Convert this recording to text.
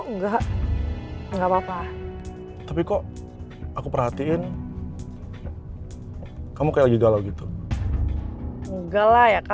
nih fai gue mau pulang fak